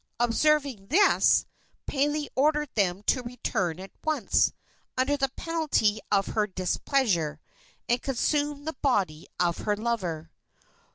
Observing this, Pele ordered them to return at once, under the penalty of her displeasure, and consume the body of her lover.